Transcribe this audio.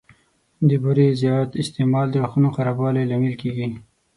د بوري زیات استعمال د غاښونو د خرابوالي لامل کېږي.